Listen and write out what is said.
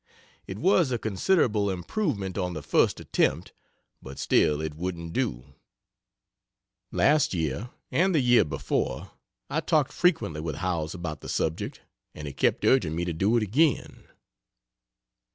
It was a considerable improvement on the first attempt, but still it wouldn't do last year and year before I talked frequently with Howells about the subject, and he kept urging me to do it again.